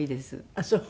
あっそう。